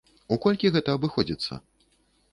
У колькі гэта абыходзіцца?